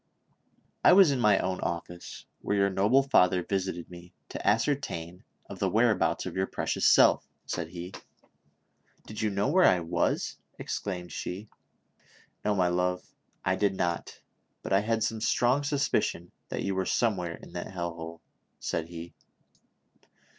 " I was in my own office, where yovu* noble father visited me, to ascertain of the whereabouts of your precious self," said he. "Did you know where I was?" exclaimed she. "No, my love, I did not ; but I had some strong sus picion that you were somewhere in that hell hole," said he.